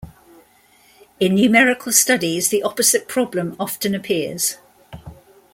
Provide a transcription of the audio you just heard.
In numerical studies the opposite problem often appears.